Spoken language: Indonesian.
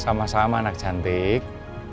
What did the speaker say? sama sama anak cantik